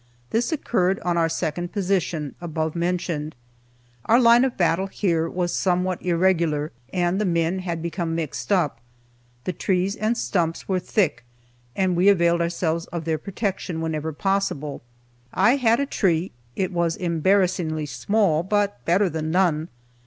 This occurred on our second position, above mentioned. Our line of battle here was somewhat irregular, and the men had become mixed up. The trees and stumps were thick, and we availed ourselves of their protection whenever possible. I had a tree, it was embarrassingly small, but better than none.